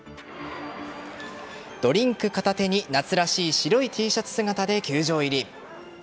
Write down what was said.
ドリンク片手に、夏らしい白いＴシャツ姿で球場入り。